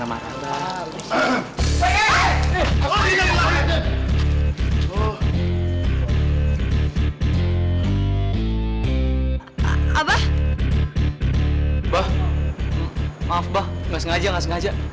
mah maaf bah nggak sengaja nggak sengaja